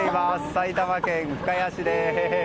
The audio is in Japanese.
埼玉県深谷市です。